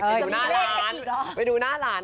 ไปดูหน้าหลานไปดูหน้าหลาน